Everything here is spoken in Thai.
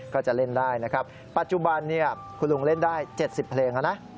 ก็จะเล่นได้นะครับปัจจุบันคุณลุงเล่นได้๗๐เพลงแล้วนะ